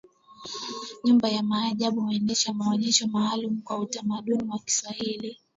Nyumba ya Maajabu huendesha maonesho maalumu kwa Utamaduni wa Kiswahili